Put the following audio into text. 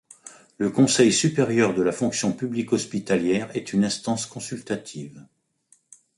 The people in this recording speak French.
Le conseil supérieur de la fonction publique hospitalière est une instance consultative.